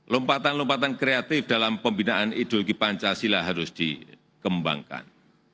lompatan lompatan kreatif dalam pembinaan ideologi pancasila harus dikembangkan